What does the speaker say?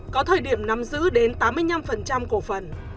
có thời điểm nắm giữ đến tám mươi năm cổ phần